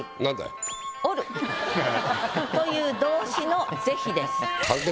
「居る」という動詞の是非です。